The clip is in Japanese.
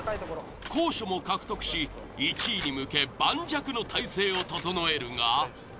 高所も獲得し１位に向け盤石の態勢を整えるが。